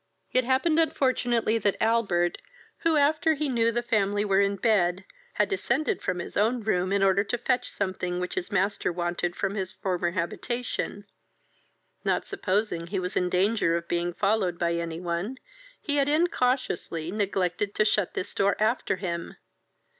It happened unfortunately, that Albert, who, after he knew the family were in bed, had descended from his own room in order to fetch something which his master wanted from his former habitation, not supposing he was in danger of being followed by any one, had incautiously neglected to shut this door after him.